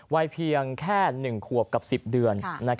วัยเพียงแค่๑ขวบกับ๑๐เดือน